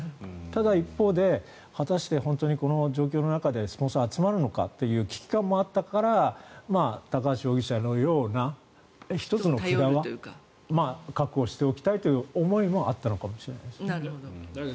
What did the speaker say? ただ、一方で果たして本当にこの状況の中でスポンサーが集まるのかという危機感もあったから高橋容疑者のような１つの札は確保しておきたいという思いはあったのかもしれないですね。